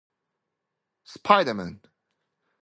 Entenmann's successful national expansion quickly followed suit.